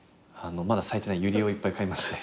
まだ咲いてないユリをいっぱい買いまして。